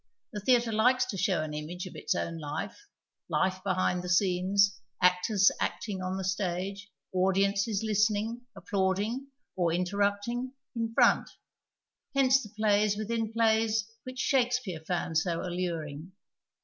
The theatre likes to show an image of its own life, life behind the scenes, actors acting on the stage, audiences listening, applauding, or interrupting in front. Hence the plays within plays which Shakespeare found so alluring.